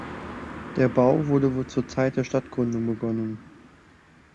Der Bau wurde wohl zur Zeit der Stadtgründung begonnen.